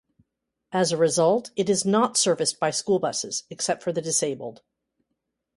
As a result, it is not serviced by school buses except for the disabled.